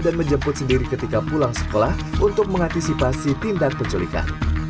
dan menjemput sendiri ketika pulang sekolah untuk mengantisipasi pindah penculikan